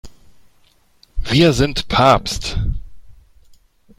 Wir sind Papst!